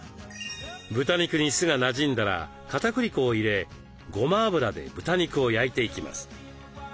豚肉に酢がなじんだらかたくり粉を入れごま油で豚肉を焼いていきます。